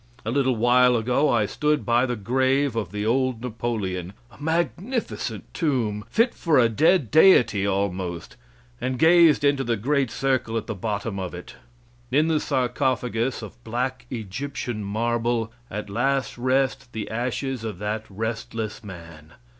A little while ago I stood by the grave of the old Napoleon, a magnificent tomb, fit for a dead deity almost, and gazed into the great circle at the bottom of it. In the sarcophagus, of black Egyptian marble, at last rest the ashes of that restless man.